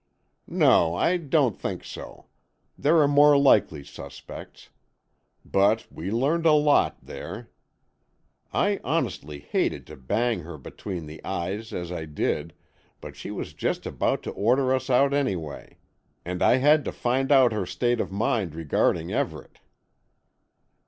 "No, I don't think so. There are more likely suspects. But we learned a lot there. I honestly hated to bang her between the eyes as I did, but she was just about to order us out anyway, and I had to find out her state of mind regarding Everett."